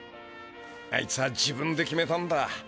あいつは自分で決めたんだ。